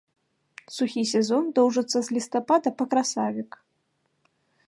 Сухі сезон доўжыцца з лістапада па красавік.